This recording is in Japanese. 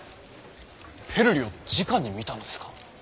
ペルリをじかに見たのですか？